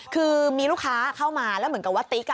คือมีลูกค้าเข้ามาแล้วเหมือนกับว่าติ๊ก